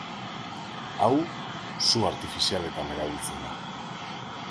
Hau, su artifizialetan erabiltzen da.